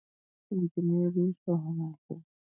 انجينري ښه هنر دی